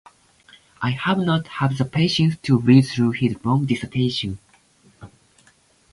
I have not had the patience to read through his long dissertation.